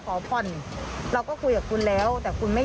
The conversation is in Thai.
คุณพ่อคุณว่าไง